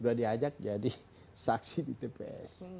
sudah diajak jadi saksi di tps